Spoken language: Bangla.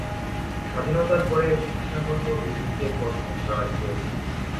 স্বাধীনতার পরে, ভাষাগত ভিত্তিতে প্রথম রাজ্য এটি।